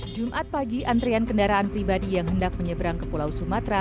jumat pagi antrian kendaraan pribadi yang hendak menyeberang ke pulau sumatera